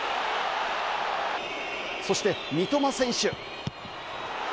そして三笘選手。